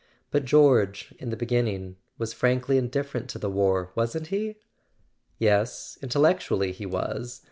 "But George, in the beginning, was—frankly indifferent to the war, wasn't he?" "Yes; intellectually he was.